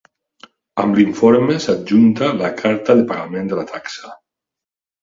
Amb l'informe s'adjunta la carta de pagament de la taxa.